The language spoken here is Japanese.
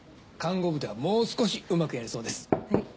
看護部ではもう少しうまくやれそうです。